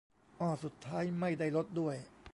อ้อสุดท้ายไม่ได้ลดด้วย